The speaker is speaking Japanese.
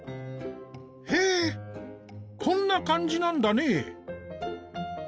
へえこんな感じなんだね。